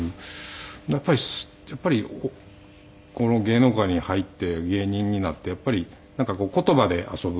やっぱりこの芸能界に入って芸人になってやっぱりなんか言葉で遊ぶ。